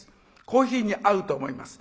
コーヒーに合うと思います。